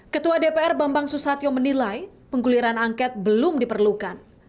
ketua dpr bambang susatyo menilai pengguliran angket belum diperlukan